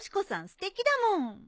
すてきだもん！